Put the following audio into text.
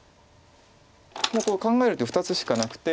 もうこれ考える手２つしかなくて。